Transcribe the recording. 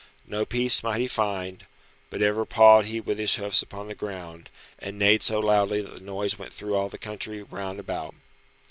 No peace might he find, but ever pawed he with his hoofs upon the ground, and neighed so loudly that the noise went through all the country round about.